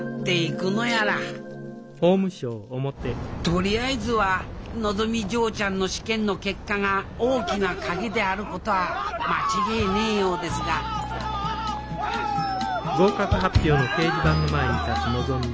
とりあえずはのぞみ嬢ちゃんの試験の結果が大きな鍵であることは間違えねえようですがさて結果やいかに？